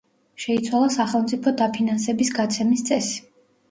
შეიცვალა სახელმწიფო დაფინანსების გაცემის წესი.